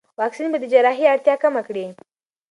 واکسین به د جراحي اړتیا کم کړي.